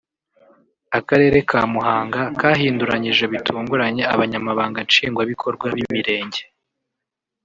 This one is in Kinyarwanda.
Akarere ka Muhanga kahinduranyije bitunguranye Abanyamabanga Nshingwabikorwa b’Imirenge